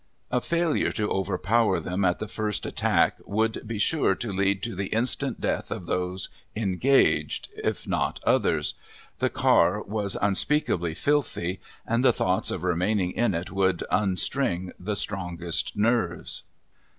A failure to overpower them at the first attack would be sure to lead to the instant death of those engaged, if not others. The car was unspeakably filthy, and the thoughts of remaining in it would unstring the strongest nerves.